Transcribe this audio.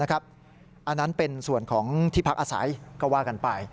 อันนั้นเป็นส่วนของที่พักอาศัยก็ว่ากันไป